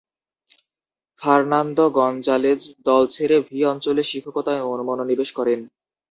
Fernando Gonzalez দল ছেড়ে ভি অঞ্চলে শিক্ষকতায় মনোনিবেশ করেন।